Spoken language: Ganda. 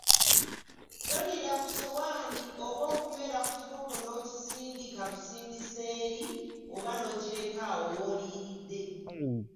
Toliira ku ssowaani oba okunywera ku kikopo n‘okisindika busindisi eri oba n‘okireka awo w‘oliiridde.